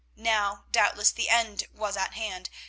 Now, doubtless, the end was at hand.